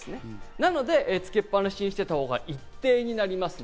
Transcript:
なのでつけっ放しにしていたほうが一定になります。